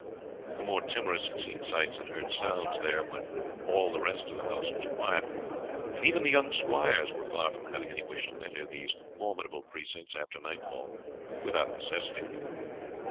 The more timorous had seen sights and heard sounds there when all the rest of the house was quiet; and even the young squires were far from having any wish to enter these formidable precincts after nightfall without necessity.